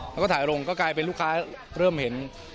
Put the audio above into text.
แล้วก็ถ่ายลงก็กลายเป็นลูกค้าเริ่มเห็น